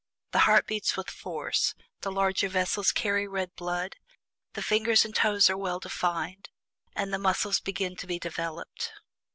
The heart beats with force; the larger vessels carry red blood; the fingers and toes are well defined, and the muscles begin to be developed.